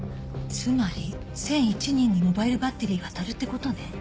つまり１００１人にモバイルバッテリーが当たるって事ね。